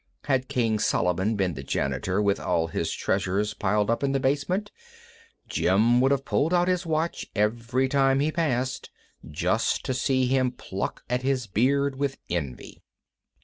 Had King Solomon been the janitor, with all his treasures piled up in the basement, Jim would have pulled out his watch every time he passed, just to see him pluck at his beard from envy.